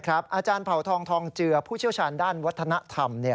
อาจารย์เผาทองทองเจือผู้เชี่ยวชาญด้านวัฒนธรรม